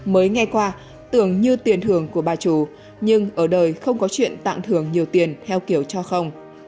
mới nghe qua tưởng như tiền thưởng của bà trù nhưng ở đời không có chuyện tặng thưởng nhiều tiền theo kiểu cho không